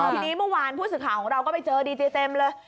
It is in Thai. ทีนี้เมื่อวานผู้สื่อข่าวของเราก็ไปเจอดีเจมส์เลย